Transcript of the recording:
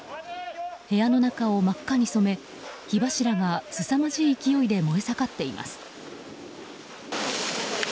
部屋の中を真っ赤に染め火柱がすさまじい勢いで燃え盛っています。